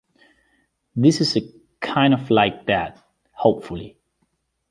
This is kind of like that, hopefully.